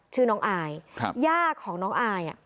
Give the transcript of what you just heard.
ชื่อน้องอายย่าของน้องอาย